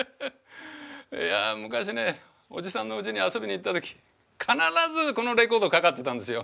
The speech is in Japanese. いや昔ねおじさんのうちに遊びに行った時必ずこのレコードかかってたんですよ。